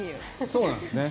そうなんですね。